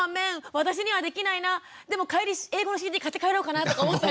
私にはできないなでも帰り英語のＣＤ買って帰ろうかなとか思ったり。